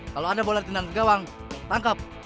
kalau ada bola di dendam segawang tangkap